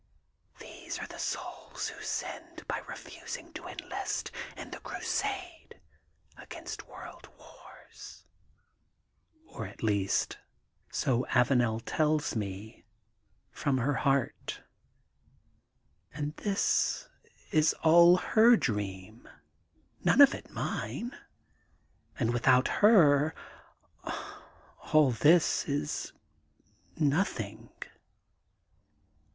^^ These are the souls who sinned by refusing to enlist in the crusade against world wars," or, at least, so Avanel tells me from her heart. And this is all her dream, none of it mine, and without her all this is nothing.